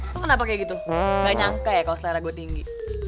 aku kenapa kayak gitu gak nyangka ya kalau selera gue tinggi